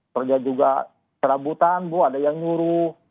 kerja juga kerabutan bu ada yang nyuruh